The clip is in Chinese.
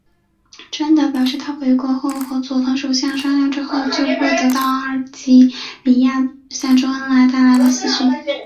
川岛表示他回国后和佐藤首相商量之后就会到阿尔及利亚向周恩来带来喜讯。